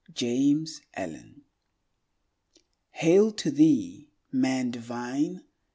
James Allen Hail to Thee, Man divine!